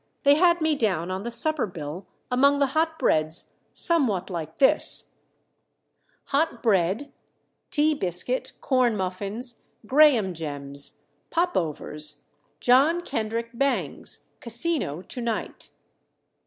They had me down on the supper bill among the hot breads, somewhat like this: HOT BREAD Tea Biscuit. Corn Muffins. Graham Gems. Popovers. John Kendrick Bangs, Casino, To night.